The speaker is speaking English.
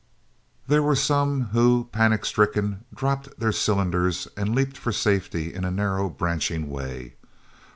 There were some who, panic stricken, dropped their cylinders and leaped for safety in a narrow branching way.